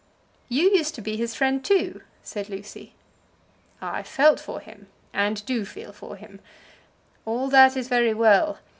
"You used to be his friend too," said Lucy. "I felt for him, and do feel for him. All that is very well.